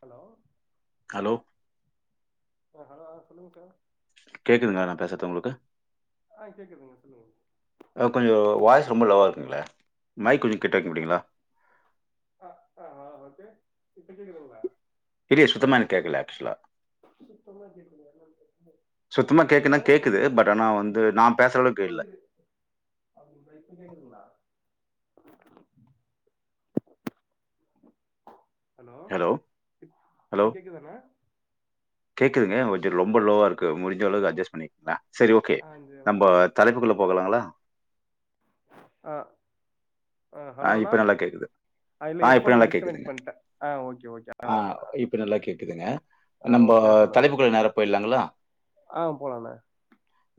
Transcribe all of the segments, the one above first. Hello hello அ hello சொல்லுங்க sir கேக்குதுங்ளா நா பேசற்து உங்ளுக்கு ஆ கேக்குதுங்க சொல்லுங்க அ கொஞ்சோ வாய்ஸ் ரொம்ப லோவா இருக்குங்ளே மைக் கொஞ்சோ கிட்ட வைக்க ஆ முடியுங்ளா ஆ ஆ ஆ ஓகே இப்ப கேக்குதுங்ளா இல்லையே சுத்தமா எனக் கேக்கல ஆக்சுவலா சுத்தமா கேக்கலயா [inaudible] சுத்தமா கேக்குனா கேக்குது பட் ஆனா வந்து நா பேசுற அளவுக்கு இல்ல அது பெட் நேம் என்னா ம் [inaudible] ஹலோ இப்ப கேக்குதாண்ணா கேக்குதுங்க கொஞ்சோ ரொம்பலோவா இருக்கு முடிஞ்ச அளவு அட்ஜஸ்ட் பண்ணி நா செரி ஓகே ஆ இந்த நம்ப தலைப்புக்குள்ள போகலாங்களா ஆ ஆ அ ஹலோ அண்ணா இப்ப நல்லா கேக்குது இல்ல ஆ இப்ப ஹெட்ஃபோன் நல்லா டிஸ்கனெக்ட் கேக்குதுங்க பண்ட்டே ஆ ஓகே ஓகே ஆ ஓகேண்ணா இப்ப நல்லா கேக்குதுங்க ஆ நம்போ ஓகே தலைப்புக்குள்ள நேரா போயிலாங்களா அ போலாண்ணா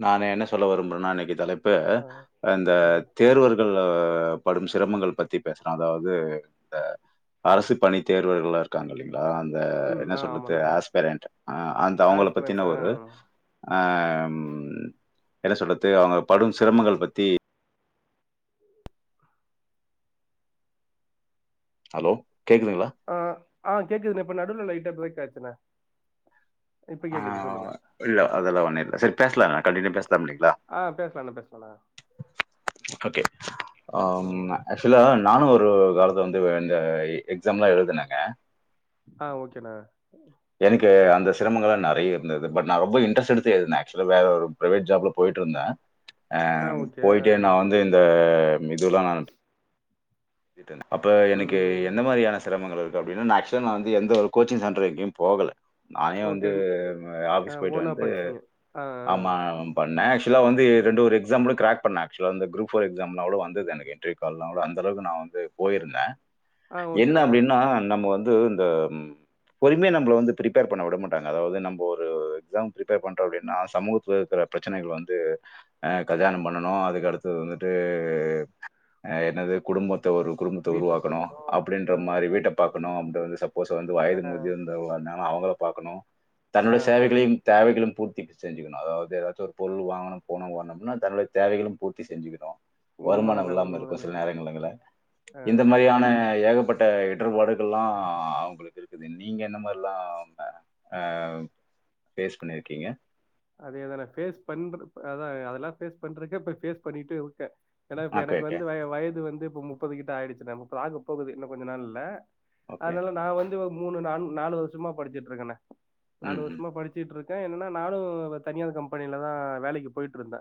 நானு என்ன சொல்ல விரும்பறன்னா இன்னைக்கு தலைப்பு ஆ இந்த ம் தேர்வரு ள்ள படும்ஸ் சிரமங்கள் பத்தி பேசுற அதாவது ஆ அரசு பணி தேர்வர்கள் காங்க இல்லைங்ளா அந்த ம் என்ன ஆ சொல்றது ஆமாண்ணா ஆஸ்பரண்ட் அ அந்த அவங்கள ஆஸ் பர் பத்தின ஆ ஒரு ஆம் என்ன சொல்றது அவங்க படும் சிரமங்கள் பத்தி ஹலோ கேக்குதுங்ளா ஆ ஆ கேக்குதுண இப்ப நவுல லைட்டா பிரேக் ஆயிச்சிணே ஆ இல்ல அதெல்லா ஒன்னு இல்ல செரி பேசலாக கண்டினியூ பேஸ் ஆ பேசலாண்ணா பேசலாண்ணா ஓகே ஆம் ம் அஸ் ஆக்சுவலா நானு ஒரு காலத்த வந்து இந்த எக்ஸாம்லா எழுதுனேங்க அ ஓகேணே எனக்கு அந்த சிரமங்கள்லா நெறைய இருந்தது பட் நா ரொம்ப இன்ட்ரெஸ்ட் எடுத்து எதுனே ஆக்சுவலா வேற ஒரு பிரைவேட் ஜாப் போயிட்டு இருந்தே ஆ ஓகே ஆ போயிட்டே நா வந்து இந்த இதுல்லா நா அப்ப எனக்கு ம் எந்த மாதிரியான சிரமங்கள அப்டின்னா நா ஆக்சுவலா வந்து எந்த ஒரு கோச்சிங் சென்டர் எங்கயு போகல நானே வந்து ஓகே ஆ ஆபிஸ் போயிட்டு ஓனா வந்து படிச்சீங்க ஆ ஆமா பண்ணே ஆக்சுவலா வந்து ஆ ஆ ரெண்டு ஒரு எக் ஸாம்ல கிராக் பண்ண ஆக்சுவலா அந்த குரூப் ஃபோர் எக்ஸாம்லா கூட வந்தது எனக்கு என் டீர்ட் கால்லா கூட அந்தளவுக்கு நா வந்து போயிருந்தே ஆ என்ன ஓகேண்ணா அப்டின்னா நம்ம வந்து இந்த பொறுமையா நம்மள வந்து பிரிப்பேர் பண்ண வுட மாட்டாங்க அதாவது நம்ப ஒரு எக்ஸாம் பிரிப்பேர் பண்றோ அப்டின்னா சமூத்துத்துல இருக்கிற பிரச்சனைகள் வந்து அ கல்யாணம் பண்ணனு அதுக்கு அடுத்தது வந்துட்டு அ என்னது குடும்பத்த ஒரு குடும்பத்த வீட்ட உருவாக்கணு பாக்கணு அப்டின்ற ஆ மாரி வீட்ட ஆ பாக்கணு அந்த சப்போஸ்சு வந்து வயது முதிர்ந் த வுன்னே அவங்கள பார்க்கணு ஆ தன்னுடைய சேவைகளையு தேவைகளும் பூர்த்தி செஞ்சுக்கணும் அதாவது ஏதாவது ஒரு வாங்கணும் போனம் வாங்கணம்னா தன்னோடைய தேவைகளும் பூர்த்தி செஞ்சிகனு வருமானம் உண்மதாண்ணா இல்லாம இருக்கு உண்மதாண்ணா சில நேரங்கங்கள்ள ஆ இந்த மாரியான ஏகப்பட்ட இடர்பாடுகள்லா அவுங்களுக்கு இருக்குது நீங்க என்ன மாரிலா ஆ பேஸ் பண்ணிருக்கீங்க அதேதான பேஸ் பண்ற அதா அதெல்லா பேஸ் பண்றதுக்கு இப்ப பேஸ் பண்ணிட்டு வுட்டே ஏன்னா இப்ப ஓகே எனக்கு ஓகே வந்து வய வயது வந்து இப்ப முப்பது கிட்ட ஆயிடுச்சு முப்மதாகப் போகுது இன்னும் கொஞ்ச நாள்ல ஓகே அதனால நா வந்து மூணு நா நாலு வருஷமா படிச்சுட்டு இருக்கணே நாலு ம் ம் வருஷமா படிச் சுட்டு இருக்கே என்னன்னா நானும் தனியார் கம்பெனிலதா வேலைக்கு போயிட்டு இருந்தே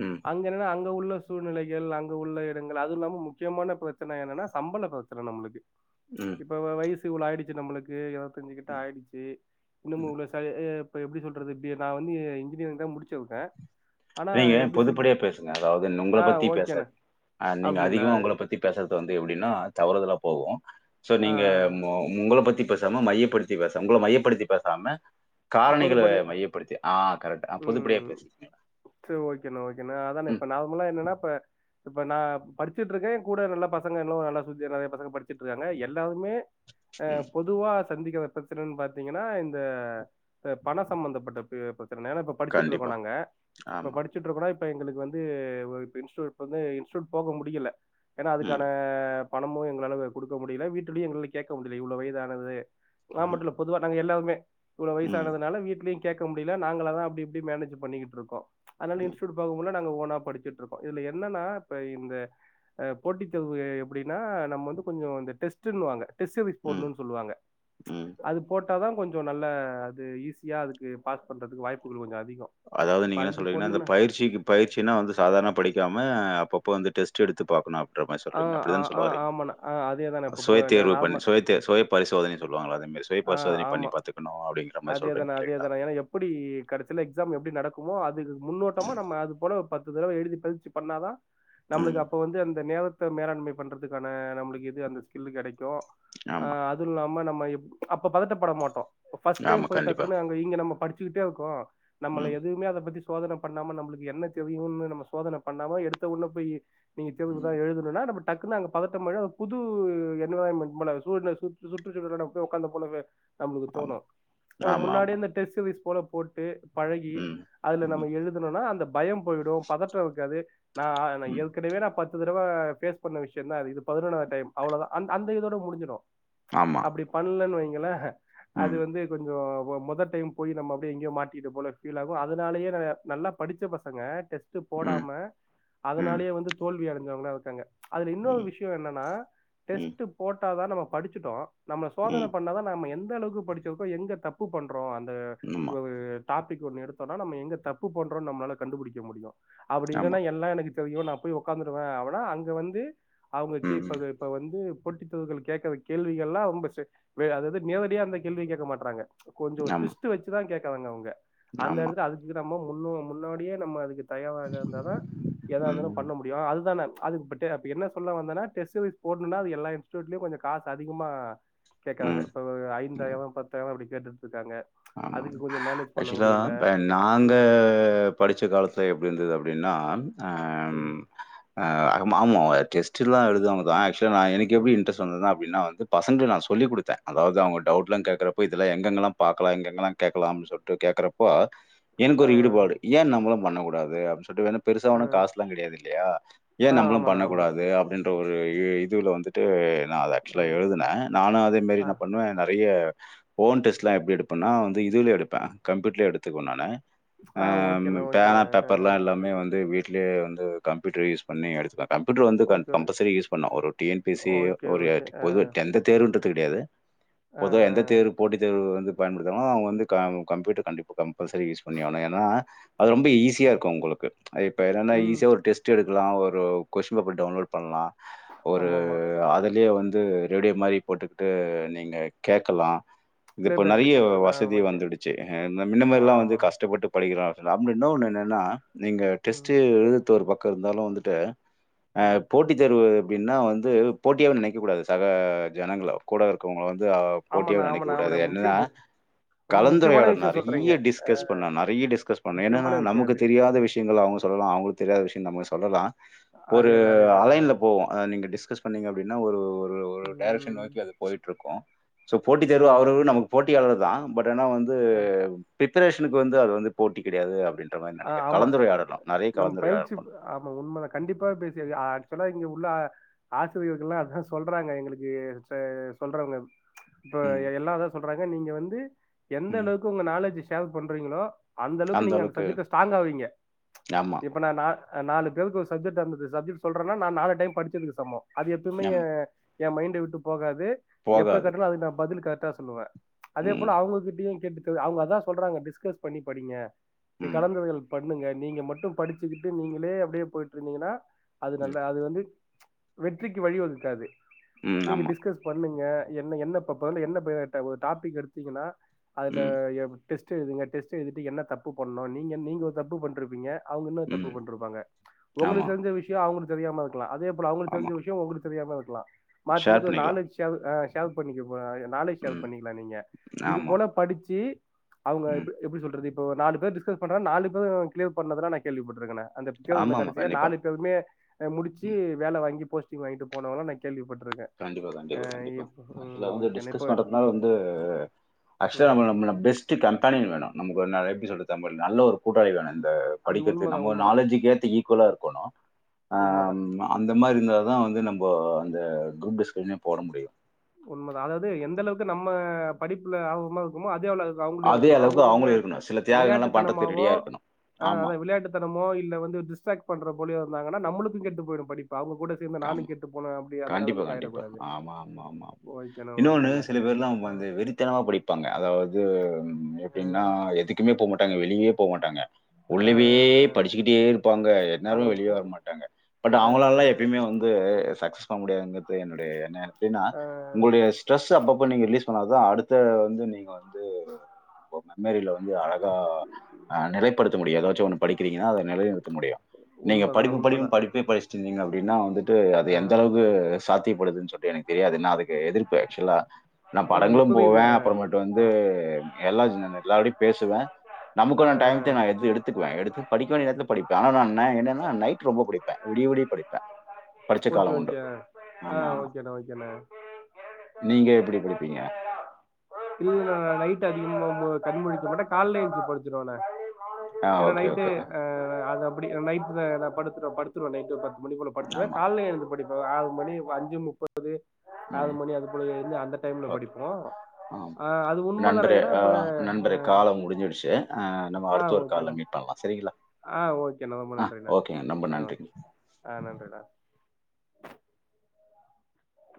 ம் அங்க என்னனா அங்க உள்ள சூழ்நிலைகள் அங்க உள்ள இடங்கள் அதுவு இல்லாம முக்கியமான பிரச்சன என்னனா சம்பள பிரச்சன நம்புளுக்கு ம் இப்ப வ வயசு இவ்ளோ ஆயிடுச்சு நம்பளுக்கு இர்வ தெஞ்சுக்கிட்ட ஆய்ச்சி இன்னு ம். மூவசயி இப்ப எப்டி சொல்றது இப்டி நா வந்து இன்ஜினியரிங் தா முடிச்சு வுட்ட நீங்க பொதுப்படியா பேசுங்க அதாவது உங்கள ஆ பத்தி ஓகேண்ணே பேசாதிங் ஆ நீங்க அப்படிங்களா அதிகமா உங்கள பத்தி பேசற்து வந்து எப்டினா தவறுதலா போகு சோ ஆ நீங்க மொ உங்கள பத்தி பேசாம மையப்படுத்தி பேச உங்கள மையப்படுத்தி பேசாம காரணிகள பொதுப்படை மையப்படுத்தி ஆ கரெட்டு ஆ பொதுப்படியா ம் பேசுங்க சரி ஓகேண்ணா ஓகேண்ணா அதான இப்ப நார்மலா என்னனா இப்ப இப்ப நா படிச்சிட்ருக்கே எ கூட நல்ல பசங்க இன்னு நல்லா சுத்தி நறைய பசங்க படிச்சுட்ருக்காங்க எல்லாருமே அ ம் பொதுவா சந்திக்கிற பிரச்சனன் பாத்தீங்கன்னா இந்த த பண சம்பந்தப்பட்ட பி பிரச்சனை ஏனா இப்ப படிச்சுட்ருக்கோ கண்டிப்பா நாங்க இப்ப ஆமா படிச் சுட்ருகோனா இப்ப எங்களுக்கு வந்து ஒ இன்ஸ் வந்து இன்ஷுட் போக முடிக்கல ஏனா ம் அதுக்கான பணமு எங்களால கொடுக்க முடியல வீட்டுலயு எங்களால கேக்க முடியல இவ்ளோ வயதானது நா ம் மட்டுல பொதுவா நாங்க எல்லாருமே இவ்ளோ ம் வயசானதுனால வீட்லயுக் கேக்க முடியல நாங்களாதா அப்டி இபடி மேனேஜு பண்ணிகிட்டருக்கோ அதனால ம் இன்ஷுட் பக்க போனா நாங்க ஓனா படிச்சுட்ருக்கோ இதுல என்னனா இப்ப இந்த போட்டித் தேர்வு எப்டினா நம்ம வந்து கொஞ்ச இந்த டெஸ்ட்டுன்னுவாங்க டேஸ்சேபிஸ் ம் போட்ணுன் சொல்லுவாங்க ம் அது போட்ட தா கொஞ்சோ நல்ல அது ஈஸியாக அதுக்கு பாஸ் பண்ணறதுக்கு வாய்ப்புகள் கொஞ்ச அதிகோ அதாவது நீங்க என்ன சொல்றீங்னா அந்த பயிற்சிக்கு பயிற்சினா வந்து சாதாரண படிக்காம அப்பப்ப வந்து டெஸ்ட் எடுத்து பாக்கணு ன்ற மாரி ஆ சொல்றீங்க ஆ அப்பிடித்தான ஆ சொல்லவறீங்க ஆமாண்ணா ஆ அதேதாண்ணா இப்ப சுய ப- நா- தேர்வு பண்ணி நார்ம சுயத் து சுய பரிசோதனை சொல்வாங்களா அதமேதி சுய பரிசோதனை பண்ணி பாத்துக்கணு அப்டிங்க அதே தாண அதே தாண ஏனா எப்படி கடைசில எக்ஸாம் எப்படி நடக்குமோ அதுக்கு முன்னோட்டமா ம் நம்ம அது போல பத்து தடவ எழுதி பதிச்சு பண்ணாதா ம் நம்ளுக்கு அப்ப வந்து அந்த நேரத் த மேலாண்மை பண்றதுக்கான நம்புளுக்கு இது அந்த ஸ்கில் கெடைக்கும் ஆமா அத் துல்லாம நம்ம இப் அப்ப பதட்டப்பட மாட்டோ இப்ப பஸ்ட் ஆமா, டைம் போய் கண்டிப்பா. டக்குன்னு அங் இப்ப இங்க நம்ம படிச்சுக்கிட்டே இருக்கோ நம்மள ம். எதுமே அத பத்தி சோதன பண்ணாம நம்புளுக்கு என்ன தெரியுன் நம்ம சோதன பண்ணாம எடுத்த உன்னே போய் நீங்க தேர்வு தா ம். எழுத னுன்னா நம்ம டக்னு அங்க பதட்டமாய்டோ புது என்விராய்மெண்ட் போல சூழ்நில சுட் சுட்டு சூழலொட போய் உக்காந்து போலவே நம்புளுக்கு ஆமா. தோணு நம்ம ஆமா, ஆமா. முன்னாடியே அந்த டெஸ்ட்டு வைஸ் போல போட்டு பழகி ம். அதுல நம்ம ம். எழுதுனொனா அந்த பயம் போயிடு பதற்ற இருக்காது நா நான் ம். ஏற்கனவே நா பத் ஒரு தடவ ஃபேஸ் பண்ண விஷயந்தா அது இது பதினொன்னாவது டைம் அவ்ளோதா அந் அந்த இதோட முடிஞ்சிடு ஆமா இப்டி பண்லன் வைங்கள அது ம். வந்து கொஞ்சொ மொ மொத டைம் போய் நம்ம அப்டியே எங்கேயோ மாட்டிகிட்ட போல ஃபீல் ஆகு அதனாலயே நா நல்லா படிச்ச பசங்க டெஸ் த்து ம். போடாம ம். அதனாலயே வந்து தோல்வி அடஞ்சவங்க இர்காங்க அதுல இன்னொரு ம். விஷ்யோ என்னனா ம். டெஸ்டு போட்டாதா நம்ம படிச்சுட்டோ நம்ம சோதன ம். பண்ணாதா நம்ம எந்த அளவுக்கு படிச்சிருக்கோ எங்க தப் ப்பு பண்றோ அந்த ஆமா, ஒரு டாபிக் வந்து எடுத்தொனா நம்ம எங்க தப்பு பண்றொ நம்ளால கண்டுபுடிக்க முடியு அப்டி ஆமா. இல்லனா எல்லா எனகு தெ தெரியு நா போய் உக்காந்துருவே அவனா அங்க வந்து அவுங்க ம். கேப்பது இப்ப வந்து போட்டித்தேர்வுகள்வ கேக்கற கேள்விகெல்லா ரொம்ப செ வெ அதாது நேரடியா அந்த கேள்வி கேக்க மாட்றாங்க கொஞ்சொ ஆமா, ட்விஸ்ட் வெச்சுதா கேக்குறாங்க அவுங்க அந்த ஆமா. எடத்துல அதுக்கு நம்ம முன்னோ முன்னாடியே நம்ம அதுக்கு தயாவாக இருந்தாதா எதா இருந்தாலு ம். பண்ண முடி யு அதுதான அது பிட்டே அப்டி என்ன சொல்ல வந்தனா டெஸ்டு போட்னுனா அது எல்லா இன்ஸ்டுட்ல்யு கொஞ்ச காசு அதிகமா கேக்கறாங்க இப்ப ஒரு ம். ஐந்தாயிரோ பத்தாய்ருவா இப்டி கேட்டுட்டுருக்காங்க ஆமா ஆக்சுவலா இப்ப நாங்க ம் படிச்ச காலத்துல எப்டி இருந்துது அப்டின்னா அ ம் ஆ அகம ஆமா டெஸ்டுல்லா எழுதுவாங்கதா ஆக்சுவலா நா எனக்கு எப்டி ம் இன்ரெஸ்ட் வந்தத்னா அப்டினா வந்து பசங்க நா சொல்லி குடுத்த அதாவ்து அவ்ங்க டவுட்லா கேக்கறப்ப இதுல எங்கெங்கெல்லா பாக் கலா எங்கெங்கலா கேக்கலாம்னு சொல்ட்டு கேக்குறப்போ எனக் ஆ ஒரு ஆ ஈடுபாடு ஏ நம்ளு பண்ணக்கூடாது அப்டி சொல்டு ஏனா பெருசா ஆ ஒன்னு காஸ்லா கெடயாது இல்லயா ஏ ஆ நம்மளு ஆமாண்ணா ஆமா பண்ணக்கூடாது அப்டின்ற ஒரு இ இதுவுல வந்து ட்டு நா அத ஆ ஆக்சுவலா எழுதுன நானு அதே மாரி ஆ இன்னா பண்ணுவே நெறய ஓன் டெஸ்ட்லா எப்டி எடு இப்ப நா வந்து இதுவுல எடுப்பே கம்ப்யூட்ல எடுத்துக்குவே நானு அ ஆ ஓகேண்ணா ஓகேண்ணா பேனா பேப்பர்லா எல்லாமே வந்து வீட்லியே வந்து கம்ப்யூட்டர் யூஸ் பண்ணி எடுத்துப்ப கம்ப்யூட்டர் வந்து க ஓகே கம்பல்சரி யூஸ் பண்ணு ஒரு டி என் பி எஸ் சியோ ஓகே ஒரு ஓகே ஆ பொது எந்த தேர்வுன்றத் கிடயாது ஆ பொதுவா எந்த தேர்வு போட்டி தேர்வு வந்து பயன்படுத்தினா அவுங்க வந்து க கம்ப்யூட்டர் கண்டிப்பா கம்பல்சரி யூஸ் பண்ணியாவ்னு ஏனா அது ரொம்ப ஈஸியா இருக்கு உங்களுக்கு இப்ப எதன்னா ம் ஈஸியா ஒரு டெஸ்ட் எடுக்கலா ஒரு கொஸ்ஷின் பேப்பர் டவுன்லோட் பண்லா ஒரு ஆமாமா அதுலயே வந்து ரேடியோ மாரி போட்டுக்கிட்டு நீங்க கேக்கலா பிளே இப்ப பேக்ல நறய கேட்டுட்டு ஆ வசதி ஓகே வந்துடுச்சு அ ஆ மின்னமாரில்லா வந்து ஆமாண்ணா கஷ்டப்பட்டு படிக்கிறோ [unintelligible] அப்டி இன்னு ஒண்ணு என்னன்னா நீங்க டெஸ்ட்டு ம் எழுதுத்தொரு பக்கோ இருந்தாலு வந்துட்டு அ ம் போட்டி தேர்வு அப்டின்னா வந்து போட்டியா நினைக்க கூடாது சக ஜனங்கள கூட இருக்கவங்கள வந்து அ ஆமாண்ணா போட்டியாவே நெனைக்க ஆமாண்ணா கூடாது ஆமாண்ணா முக்கிய என்னன்னா மு- முக்கியமான கலந்துரையாடல் விஷயம் சொல்றீங்க நறிய டிஸ்கஸ் அஹ், பண்ண நறிய டிஸ்கஸ் பண்ண என்னன்னா முக்கியமான விஷயம் நமக்கு அது தெரியாத விஷ்யங்கள் அவுங்க சொல்லலா அவ்ங்ளுக்கு தெரியாத விஷ்யங்க நம்ம சொல்லலா ஒரு அதேதான் அதேதான் அஹ், அலைன்ல போவோ அத நீங்க டிஸ்கஸ் பண்ணீங்க அப்டின்னா ஒரு ஒரு ஒரு டேரக்ஷன் உம், நோக்கி அது போயிட்டுருக்கோ சோ போட்டி தேர்வு அவுரு உம், நமக்கு போட்டியாளர் தா பட் ஏனா வந்து அஹ், பிப்ரேஷனுக்கு வந்து அது வந்து போட்டி கிடயாது அப்டின்ற மாரி அஹ், நெனைக்கிற ஆமா கலந்துரையாடனு நறிய நம்ம கலந்துரையாடல் பயிற்சி பண் ஆமா உண்மதா கண்டிப்பா பேசி அதே ஆக்சுவலா இங்க உள்ள ஆசிரியர்கள்லா அதா சொல்றாங்க எங்ளுக்கு ச சொல்றவங்க இப்ப ம். எல்லா அதா சொல்றாங்க நீங்க வந்து எந்த ம். அளவுக்கு உங்க நாலேஜ் ஷேர் பண்றீங்களோ அந்தளவுக்கு நீங்க அந்த சப்ஜெக்ட்ல ஸ்ட்ராங் ஆவீங்க ஆமா, இ இப்ப நா நாலு பேருக்கு ஒரு சப்ஜெட்டு அந்அந்த சப்ஜெக்ட் சொல்றனா நா நாலு டைம் படிச்சதுக்கு சமோ அது எப்பமே எ ஆமா. எ மைண்ட விட்டு போகாது எப்ப போகாது. கேட்டாலு அதுக் நா பதிலு கரெக்டா சொல்லுவே அதே போல ம். அவுங்ககிட்டயு கேட்டு தெ அவுங்க அதா சொல்றாங்க டிஸ்கஸ் பண்ணி படிங்க ம். கலந்துரைகள் பண்ணுங்க நீங்க மட்டு படிச்சுக்கிட்டு நீங்களே அப்டியே போய்ட்ருந்தீங்கன்னா அது நல்ல ம். அது வந்து வெற்றிக்கு வழி வகுக்காது ம். நீங்க ஆமா. டிஸ்கஸ் பண்ணுங்க என்ன என்ன இப்ப இப்ப வந்து என்ன இப்ப ஒரு டாபிக் எடுத்தீங்கின்னா அதுல ம். எப்பிடி டெஸ்ட் எழுதுங்க டெஸ்ட் எழுதிட்டு என்ன தப்பு பண்ணு நீங்க நீங்க ஒரு தப்பு பண்ட்ருப்பீங்க அவுங்க இன்னோர் தப்பு ம். பண்ட்ருப்பாங்க உங்களுக்கு ஆமா, தெரிஞ்ச விஷியோ அவுங்களுக்கு தெரியாம இருக்கலா அதே போல அவுங்களுக்கு ஆமா. தெரிஞ்ச விஷ்யோ உங்களுக் தெரியாம இருக்கலா மாத்தி ஷேர் மாத்தி ஒரு பண்ணிக்கலாம். நாலேஜ் ஷேர் அ ஷேர் பண்ணிக்க [unintelligible] நாலேஜ் சேர் ம். பண்ணிக்கிலா நீங்க இது ஆமா. போல படிச்சு அவுங்க ம். எப் எப்டி சொல்றது இப் இப்ப நாலு பேர் டிஸ்கஸ் பண்றனா நாலு பேரும் கிளியர் பண்றதுல நான் கேள்விப்பட்டட்டுருக்கேன் அந்த தேர்வுல ஆமாமா. கடைசியா கண்டிப்பா. நாலு பேருமே முடிச்சு ம். வேலை வாங்கி போஸ்டிங் வாங்கிட்டு போனவலாம் நான் கேள்விப்பட்டுருக்கேன் கண்டிப்பா கண்டிப்பா கண்டிப்பா ஆ வந்து ஓகேண்ணா டிஸ்கஸ் இப்போ பண்றதுனால வந்து ஆக்சுவலா ம் நம்ம நம்ம பெஸ்ட் கம்பானியன் வேணும் நம்ம எப்படி சொல்றது நல்ல ஒரு கூட்டாளி வேணும் இந்த அது படிக்கிறது உண்மைதான் நம்ம உண்மைதான் நாலேஜுக்கு ஏற்ற ஈக்குவலா இருக்கணும் உண்மைதான் ஆமா அந்த மாதிரி இருந்தால் தான் வந்து நம்ப அந்த குரூப் டிஸ்கஷனே போட முடியும் உண்மை தான் அதாவது எந்த அளவுக்கு நம்ம படிப்புல ஆர்வமா இருக்கமோ அதே அளவு அவங்கள்டயே அதே இருக்கட்டும் அளவுக்கு அவங்க அவங்களும் கொஞ்சம் இருக்கணும் சில தியாகங்கள்லாம் பண்ணுறதுக்கு விளையாட்டுத்தனமாவோ ரெடியாக இருக்கணும் ஆமாம் அதான் விளையாட்டு மோ இல்ல வந்து டிஸ்டக்ட் பண்ற போலியோ இருந்தாங்கான நம்மளுக்கும் கெட்டு போய்டும் படிப்பு அவங்க கூட இந்த நானும் கெட்டு போனேன் அப்படி அந்த நிலைமைக்கு ஆயிடக்கூடாது ஆமா ஆமா ஆமா உங்க இன்னொன்னு சில பேர்லாம் வந்து வெறித்தனமா படிப்பாங்க அதாவது எப்படின்னா எதுக்கு மே போக மாட்டாங்க வெளியே போக மாட்டாங்க ஆ உள்ளவே படிச்சுக்கிட்டே இருப்பாங்க ஆமா எந்நேரமும் வெளியே பு வர மாட்டாங்க பட் ஆ அவங்கலெல்லாம் வந்து சக்சஸ் பண்ண முடியாதுங்கிறது என்னுடைய என்ன அப்படின்னா ஆ உங்களுடைய ஸ்ட்ரெஸ் அப்பப்ப நீங்க ரிலீஸ் பண்ணா தான் அடுத்த வந்து நீங்க வந்து மாரில வந்து அழகா அ நிலைப்படுத்த முடியும் ஏதாச்சும் ஒண்ணு படிக்கிறீங்கன்னா அதை நிலைநிறுத்த முடியும் நீங்க உண்மதாண்ணா படிப்பு படிப்பு உண்மதா படிப்பே படிச்சட்டு இருந்தீங்க அப்படின்னா வந்துட்டு அது எந்த அளவுக்கு சாத்தியப்படுதுன்னு சொல்லிட்டு எனக்கு தெரியாது என்ன அதுக்கு எதிர்ப்பு ஆக்சுவலா நான் இல்ல இல்ல படங்களும் புரியுது போவேன் அப்புறம் மட்டும் வந்து எல்லா எல்லாருடயும் பேசுவேன் ஆ நமக்கான டைத்தையும் நான் எது எடுத்து எடுத்து படிக்க வேண்டிய நேரத்தில படிப்பேன் ஆனா என்னன்னா நைட் ரொம்ப படிப்பேன் விடிய விடிய படிச்ச ஓகே காலம் உண்டு. ஓகே ஆ ஆமா, ஆமா. ஓகேண்ணா ஓகேண்ணா நீங்க எப்படி பார்க்க படிப்பீங்க? கூடாது ஏன்னா இல்ல நைட் அதிகமா கண்ணு முழிக்க மாட்டேன் காலைல எழுந்திருச்சு படுச்சிருவேன் நானு ஆ ஏன்னா ஓகே, நைட்டு ஓகே. அது அப்படி நைட்ல படுத்து படுத்துருவேன் நைட்டு மணி போல படுத்துருவேன் ஆமா. காலைல எழுந்து படிப்பேன் ஆறு மணி அஞ்சு முப்பது து ஆறு ம். மணி அதுபோல எழுந்து அந்த டைம்ல ஓகே படிப்போம் ம் ஆஹ் அது உண்மைதானே நன்றி ஏன்னா இப்ப நன்றி காலம் முடிஞ்சிடுச்சு அ நாம ஆஹ் அடுத்த ஒரு காலுல ஓகேண்ணா மீட் பண்ணலாம் செரிங்களா ஆஹ் ஓகேண்ணா ஓகேங்க ரொம்ப நன்றிங்க ஆ நன்றிண்ணா